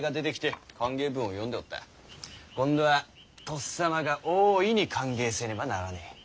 今度はとっさまが大いに歓迎せねばならねぇ。